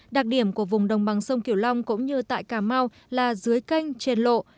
đặc điểm của vùng đồng bằng sông kiểu long cũng như tại cà mau là dưới canh trên lộ